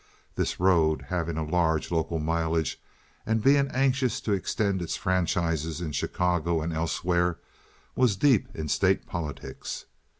This road, having a large local mileage and being anxious to extend its franchises in Chicago and elsewhere, was deep in state politics.